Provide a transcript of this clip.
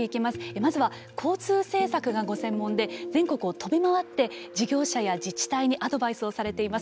まずは交通政策がご専門で全国を飛び回って事業者や自治体にアドバイスされています